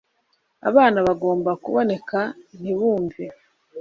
Abana bagomba kuboneka ntibumve